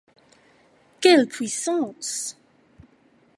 Quelle puissance !